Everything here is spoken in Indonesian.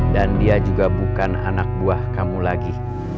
dan dia juga bukan anak buah kamu lagi